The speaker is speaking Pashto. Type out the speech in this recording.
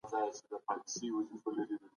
مور پرون درس تشریح کړ.